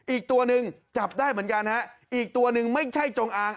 อีกตัวหนึ่งจับได้เหมือนกันฮะอีกตัวหนึ่งไม่ใช่จงอาง